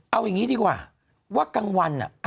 เอาอย่างนี้ดีกว่าว่ากลางวัน